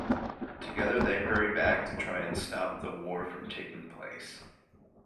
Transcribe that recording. Together they hurry back to try to stop the war from taking place.